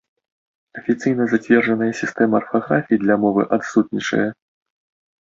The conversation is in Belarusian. Афіцыйна зацверджаная сістэма арфаграфіі для мовы адсутнічае.